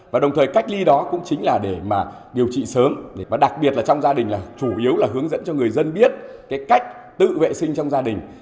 và đồng thời cách ly đó cũng chính là để mà điều trị sớm và đặc biệt là trong gia đình là chủ yếu là hướng dẫn cho người dân biết cái cách tự vệ sinh trong gia đình